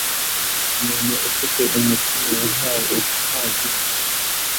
umuntu ufite umutima wahabye anyurwa n'imyifatire ye